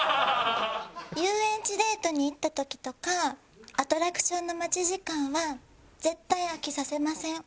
遊園地デートに行った時とかアトラクションの待ち時間は絶対飽きさせません。